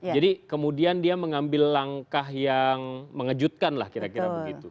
jadi kemudian dia mengambil langkah yang mengejutkan lah kira kira begitu